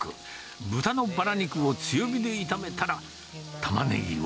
豚のバラ肉を強火で炒めたら、タマネギを。